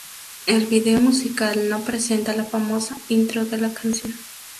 El vídeo musical no presenta la famosa intro de la canción.